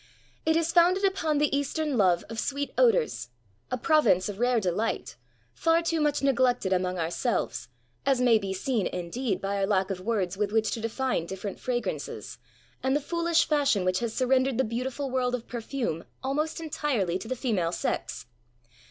It is founded upon the Eastern love of sweet odors — a province of rare delight, far too much neglected among ourselves, as may be seen indeed by our lack of words with which to defijie different fragrances, and the fool ish fashion which has surrendered the beautiful world of perfume almost entirely to the female sex.